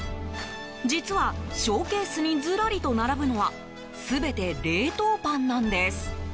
実は、ショーケースにずらりと並ぶのは全て冷凍パンなんです。